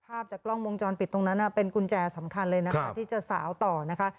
ภาพจากกล้องวงจรปิดตรงนั้นเป็นกุญแจสำคัญเลยนะคะที่จะสาวต่อนะคะ